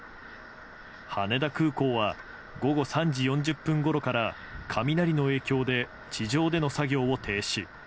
羽田空港は午後３時４０分ごろから雷の影響で地上での作業を停止。